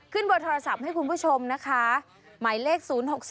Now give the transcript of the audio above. ขึ้นบทโทรศัพท์ให้คุณผู้ชมนะคะหมายเลข๐๖๒๘๙๒๘๕๕๙